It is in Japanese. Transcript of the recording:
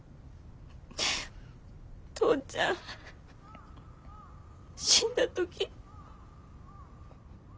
父ちゃん死んだ時。